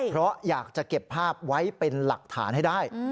เพราะอยากจะเก็บภาพไว้เป็นหลักฐานให้ได้